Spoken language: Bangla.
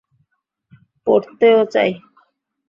পরতে ও চাই।